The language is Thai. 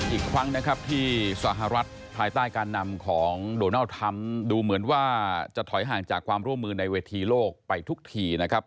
อีกครั้งนะครับที่สหรัฐภายใต้การนำของโดนัลด์ทรัมป์ดูเหมือนว่าจะถอยห่างจากความร่วมมือในเวทีโลกไปทุกทีนะครับ